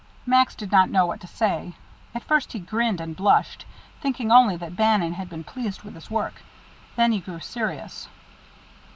Max did not know what to say. At first he grinned and blushed, thinking only that Bannon had been pleased with his work; then he grew serious.